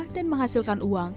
dan menghasilkan uang